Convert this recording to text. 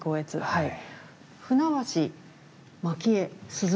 はい。